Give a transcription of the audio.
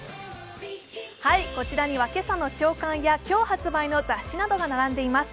こちらには今朝の朝刊や今日発売の雑誌などが並んでいます。